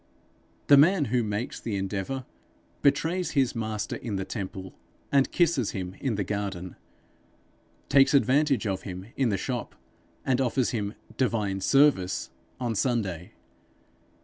The man who makes the endeavour, betrays his Master in the temple and kisses him in the garden; takes advantage of him in the shop, and offers him 'divine service!' on Sunday.